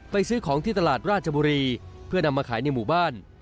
ซื้อของที่ตลาดราชบุรีเพื่อนำมาขายในหมู่บ้าน